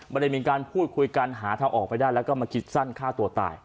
ไม่ได้มีการพูดคุยกันหาทางออกไปได้แล้วก็มาคิดสั้นฆ่าตัวตาย